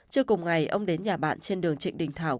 trước cùng ngày ông đến nhà bạn trên đường trịnh đình thảo